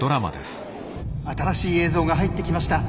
新しい映像が入ってきました。